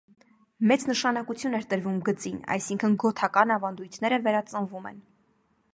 Մեծ նշանակություն էր տրվում գծին, այսինքն գոթական ավանդույթները վերածնվում են։